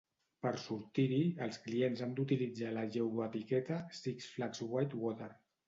Per sortir-hi, els clients han d'utilitzar la geoetiqueta "Six Flags White Water".